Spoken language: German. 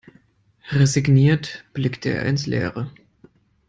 Resigniert blickte er ins Leere.